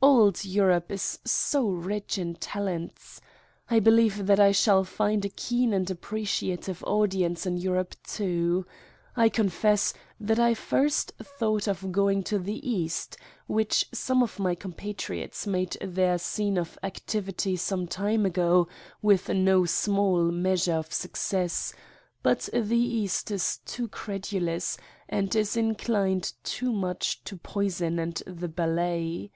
Old Europe is so rich in talents ! I believe that I shall find a keen and appreciative audience in Europe, too. I con fess that I first thought of going to the East, which some of my compatriots made their scene of ac tivity some time ago with no small measure of suc cess, but the East is too credulous and is inclined too much to poison and the ballet.